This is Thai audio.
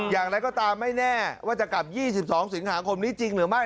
อย่างไรก็ตามไม่แน่ว่าจะกลับ๒๒สิงหาคมนี้จริงหรือไม่